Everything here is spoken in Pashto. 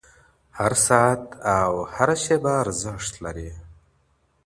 هر ساعت او هره شېبه ارزښت لري.